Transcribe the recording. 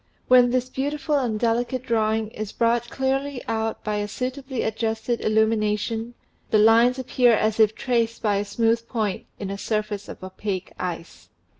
When this beautiful and delicate drawing is brought clearly out by a suitably adjusted illumination, the lines appear as if traced by a smooth point in a surface of opaque ice."